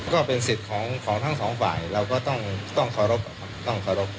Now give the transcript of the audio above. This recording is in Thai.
ก็เป็นสิทธิ์ของทั้งสองฝ่ายเราก็ต้องเคารพต้องเคารพ